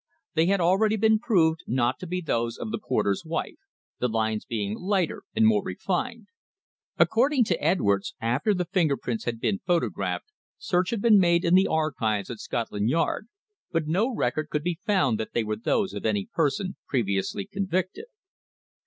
They had already been proved not to be those of the porter's wife, the lines being lighter and more refined. According to Edwards, after the finger prints had been photographed, search had been made in the archives at Scotland Yard, but no record could be found that they were those of any person previously convicted.